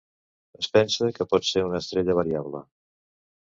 Es pensa que pot ser una estrella variable.